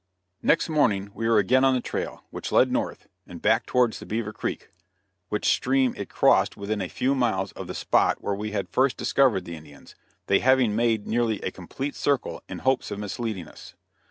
Next morning we were again on the trail, which led north, and back towards the Beaver Creek, which stream it crossed within a few miles of the spot where we had first discovered the Indians, they having made nearly a complete circle, in hopes of misleading us.